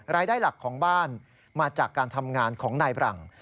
รายได้หลักของบ้านมาจากการทำงานของนายบรัง